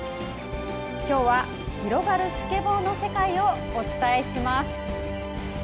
今日は広がるスケボーの世界をお伝えします。